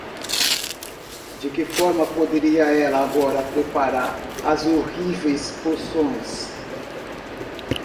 De que forma poderia ela agora preparar as horríveis poções?